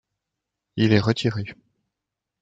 Il est retiré.